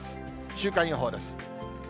週間予報です。